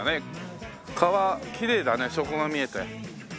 川きれいだね底が見えて。